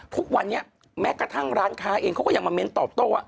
ทุกวันนี้แม้กระทั่งร้านค้าเองเขาก็ยังมาเน้นตอบโต้ว่า